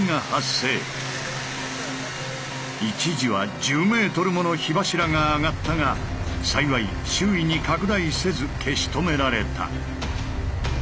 一時は１０ｍもの火柱が上がったが幸い周囲に拡大せず消し止められた。